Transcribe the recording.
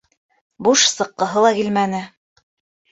Буш сыҡҡыһы ла килмәне.